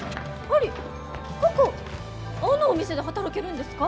あのお店で働けるんですか？